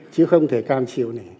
chứ không thể cam chịu